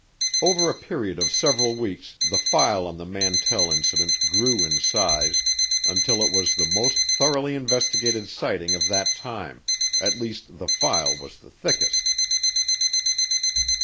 Over a period of several weeks the file on the Mantell Incident grew in size until it was the most thoroughly investigated sighting of that time, at least the file was the thickest.